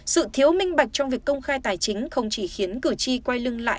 sự thiếu minh bạch trong việc công khai tài chính không chỉ khiến cử tri quay lưng lại